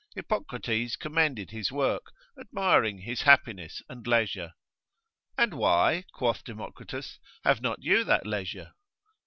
Hippocrates commended his work, admiring his happiness and leisure. And why, quoth Democritus, have not you that leisure?